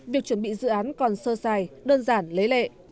việc chuẩn bị dự án còn sơ sài đơn giản lấy lệ